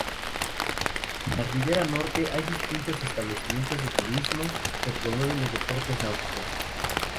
En la ribera norte hay distintos establecimientos de turismo que promueven los deportes náuticos.